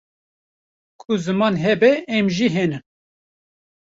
ku ziman hebe em jî henin